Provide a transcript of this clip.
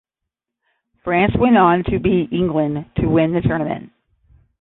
France went on to beat England to win the tournament.